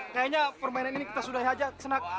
kayaknya permainan ini kita sudahi aja